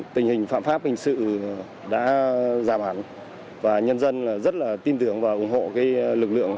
tình hình phạm pháp hình sự đã giảm hẳn và nhân dân rất là tin tưởng và ủng hộ